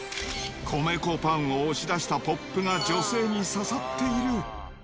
米粉パンを押し出したポップが女性に刺さっている。